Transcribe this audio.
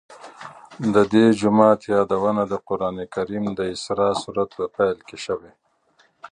د دې جومات یادونه د قرآن کریم د اسراء سورت په پیل کې شوې.